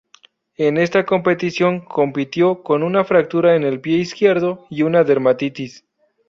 En esta competición compitió con una fractura en el pie izquierdo y una dermatitis.